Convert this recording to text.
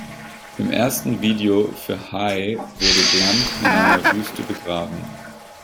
Im ersten Video für "High" wurde Blunt in einer Wüste begraben.